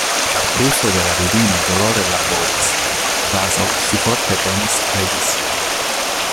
La brusto de la virino dolore laboris, kvazaŭ ŝi forte penis regi sin.